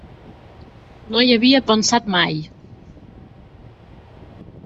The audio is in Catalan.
No hi havia pensat mai.